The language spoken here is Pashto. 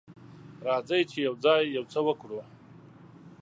راځئ چې یوځای یو څه وکړو.